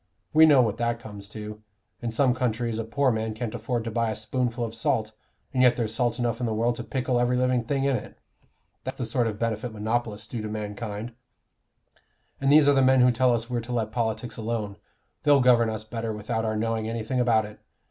We know what that comes to: in some countries a poor man can't afford to buy a spoonful of salt, and yet there's salt enough in the world to pickle every living thing in it. That's the sort of benefit monopolists do to mankind. And these are the men who tell us we're to let politics alone; they'll govern us better without our knowing anything about it.